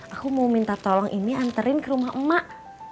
aku mau minta tolong ini anterin ke rumah emak emak